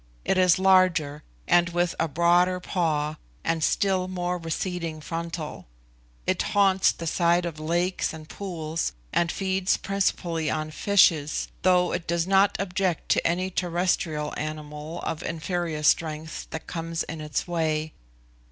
It is larger, and with a broader paw, and still more receding frontal. It haunts the side of lakes and pools, and feeds principally on fishes, though it does not object to any terrestrial animal of inferior strength that comes in its way.